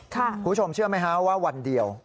คุณผู้ชมเชื่อไหมฮะว่าวันเดียว